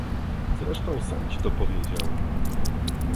"Zresztą sam ci to powiedział."